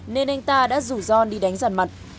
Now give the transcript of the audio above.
nên anh ta đã rủ ron đi đánh giàn mặt